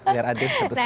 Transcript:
biar adik satu satu